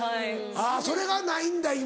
それがないんだ今。